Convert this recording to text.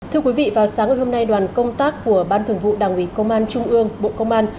thưa quý vị vào sáng ngày hôm nay đoàn công tác của ban thường vụ đảng ủy công an trung ương bộ công an